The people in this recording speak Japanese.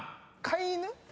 「飼い犬」？